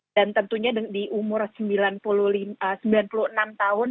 dan tentunya di umur sembilan puluh enam tahun